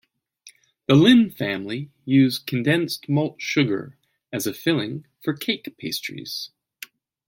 The Lin family used condensed malt sugar as a filling for cake pastries.